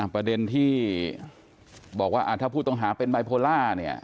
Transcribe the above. ประเด็นที่บอกว่าถ้าผู้ต้องหาเป็นบายโพล่าเนี่ย